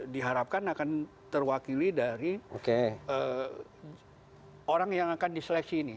diharapkan akan terwakili dari orang yang akan diseleksi ini